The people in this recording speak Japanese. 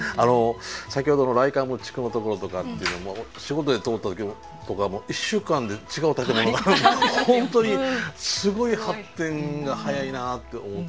先ほどのライカム地区のところとかって仕事で通った時とかもう１週間で違う建物があるんで本当にすごい発展が早いなって思う。